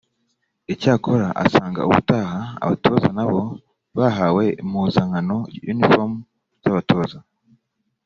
Icyakora asanga ubutaha abatoza na bo bahawe impuzankano (Uniforms) z’abatoza